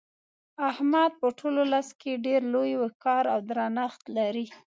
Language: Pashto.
احمد په ټول ولس کې ډېر لوی وقار او درنښت لري.